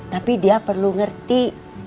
tapi dia perlu ngerti